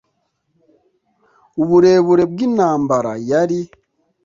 uburebure bw'intambara yari